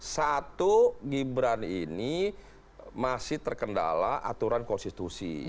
satu gibran ini masih terkendala aturan konstitusi